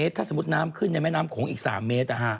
ถ้าสมมุติน้ำขึ้นในแม่น้ำโขงอีก๓เมตร